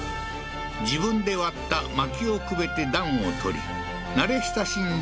自分で割った薪をくべて暖をとり慣れ親しんだ